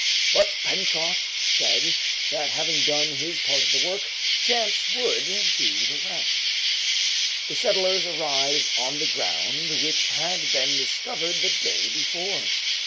But Pencroft said, that having done his part of the work, chance would do the rest. The settlers arrived on the ground which had been discovered the day before.